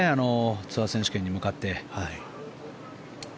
ツアー選手権に向かって。